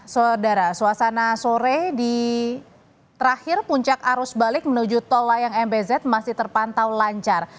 saudara suasana sore di terakhir puncak arus balik menuju tol layang mbz masih terpantau lancar